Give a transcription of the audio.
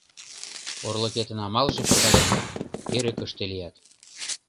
Орлыкетын амалже пыта гын, эрыкыште лият.